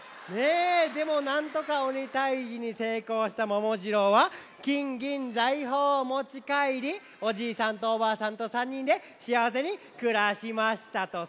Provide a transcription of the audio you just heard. でもなんとかおにたいじにせいこうしたももじろうはきんぎんざいほうをもちかえりおじいさんとおばあさんと３にんでしあわせにくらしましたとさ。